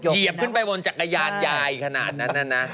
เหยียบขึ้นไปบนจักรยานยายขนาดนั้นนะนะ